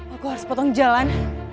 aku harus potong jalan